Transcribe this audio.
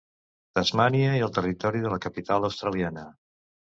Tasmània i el Territori de la Capital Australiana.